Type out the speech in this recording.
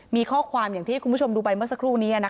มีข้อความอย่างที่คุณผู้ชมดูไปเมื่อสักครู่นี้